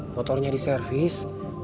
motornya di servis